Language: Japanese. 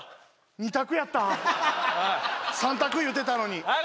２択やった３択言うてたのにはよ